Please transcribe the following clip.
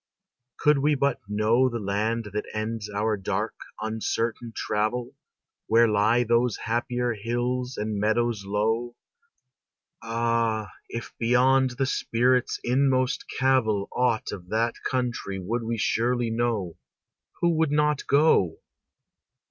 Could we but know The land that ends our dark, uncertain travel, Where lie those happier hills and meadows low; Ah! if beyond the spirit's inmost cavil Aught of that country could we surely know, Who would not go?